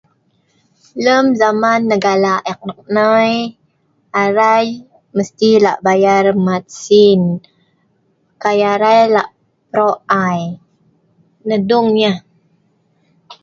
Lem zaman negala eek nok nai arai mesti la'bayar mat sin' kai'arai la pro'h ai nah dung nyah.